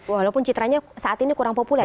walaupun citranya saat ini kurang populer